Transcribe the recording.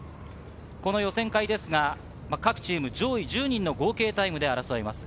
予選会ですが各チーム上位１０人の合計タイムで争います。